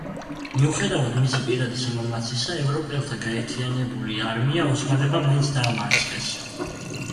მიუხედავად მისი პირადი სიმამაცისა, ევროპელთა გაერთიანებული არმია ოსმალებმა მაინც დაამარცხეს.